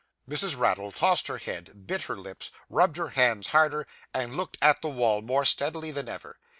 Mrs. Raddle tossed her head, bit her lips, rubbed her hands harder, and looked at the wall more steadily than ever.